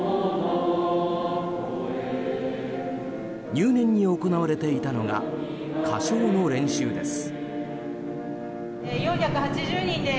入念に行われていたのが歌唱の練習です。